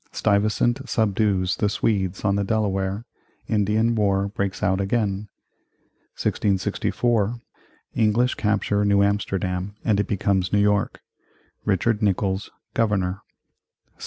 Stuyvesant subdues the Swedes on the Delaware Indian war breaks out again 1664. English capture New Amsterdam and it becomes New York Richard Nicolls Governor 1667.